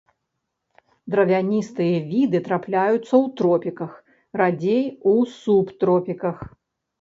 Дравяністыя віды трапляюцца ў тропіках, радзей у субтропіках.